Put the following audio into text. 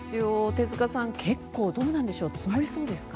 手塚さん、どうなんでしょう積もりそうですか？